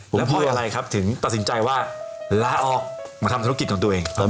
แล้วเพราะอะไรครับถึงตัดสินใจว่าลาออกมาทำธุรกิจของตัวเอง